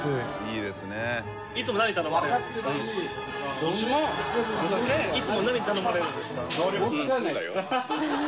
いつも何頼まれるんですか？